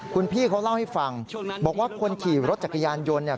คุณพี่เขาเล่าให้ฟังบอกว่าคนขี่รถจักรยานยนต์เนี่ย